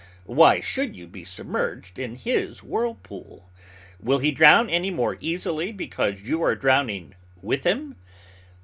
Why should you be submerged in his whirlpool? Will he drown any more easily because you are drowning with him?